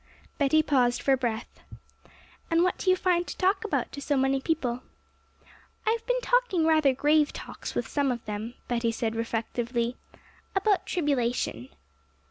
Betty paused for breath. 'And what do you find to talk about to so many people?' 'I've been talking rather grave talks with some of them,' Betty said reflectively, 'about tribulation.'